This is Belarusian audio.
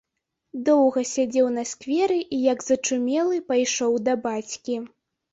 Доўга сядзеў на скверы і, як зачумлены, пайшоў да бацькі.